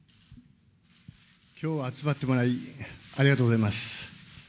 きょうは集まってもらい、ありがとうございます。